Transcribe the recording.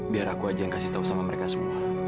biar aku aja yang kasih tahu sama mereka semua